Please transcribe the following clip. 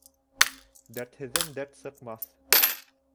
Дәртһеҙҙән дәрт сыҡмаҫ.